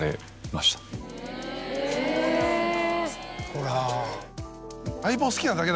ほら。